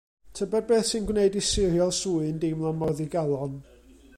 Tybed beth sy'n gwneud i Siriol Swyn deimlo mor ddigalon?